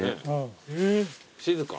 ・静か。